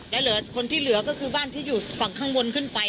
และเหลือคนที่เหลือก็คือบ้านที่อยู่ฝั่งข้างบนขึ้นไป